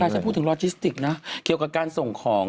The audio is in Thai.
ฉันพูดถึงลอจิสติกนะเกี่ยวกับการส่งของ